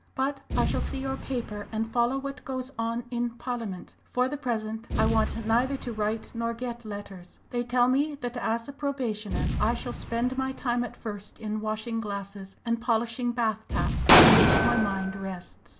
But I shall see your paper and follow what goes on in Parliament. For the present I want neither to write nor get letters. They tell me that as a probationer I shall spend my time at first in washing glasses, and polishing bath taps, on which my mind rests!